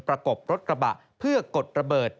กบรถกระบะเพื่อกดระเบิด